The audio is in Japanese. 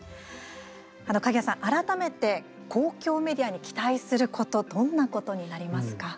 鍵屋さん、改めて公共メディアに期待することどんなことになりますか？